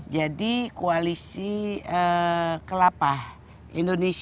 jadi koalisi kelapa indonesia